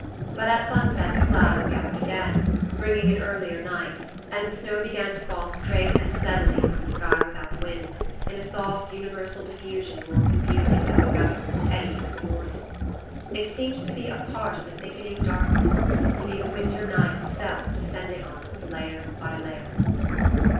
But at sunset the clouds gathered again, bringing an earlier night, and the snow began to fall straight and steadily from a sky without wind, in a soft universal diffusion more confusing than the gusts and eddies of the morning. It seemed to be a part of the thickening darkness, to be the winter night itself descending on us layer by layer.